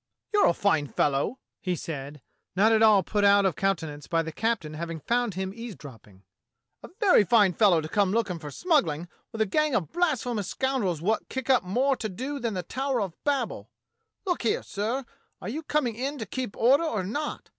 "You're a fine fellow," he said, not at all put out of countenance by the captain having found him eaves dropping, "a very fine fellow to come lookin' for smuggling, with a gang o' blasphemous scoundrels wot kick up more to do than the Tower of Babel. Look here, sir, are you coming in to keep order or not?